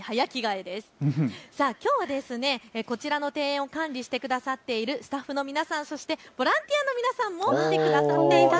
きょうはこちらの庭園を管理してくださっているスタッフの皆さん、そしてボランティアの皆さんも来てくださっています。